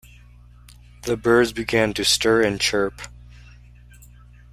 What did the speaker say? The birds began to stir and chirp.